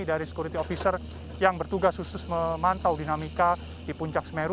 dari security officer yang bertugas khusus memantau dinamika di puncak semeru